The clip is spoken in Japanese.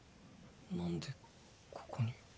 何でここに？